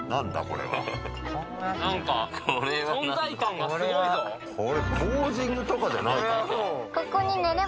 これポージングとかじゃないね。